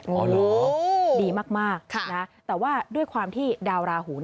โอ้โหดีมากนะแต่ว่าด้วยความที่ดาวราหู